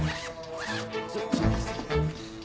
ちょっと。